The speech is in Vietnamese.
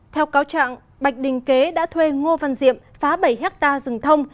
theo cáo trạng bạch đình kế đã thuê ngô văn diệm phá bảy hectare rừng thông